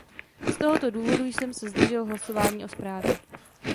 Z tohoto důvodu jsem se zdržel hlasování o zprávě.